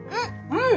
うん！